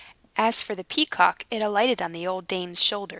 As for the peacock, it alighted on the old dame's shoulder.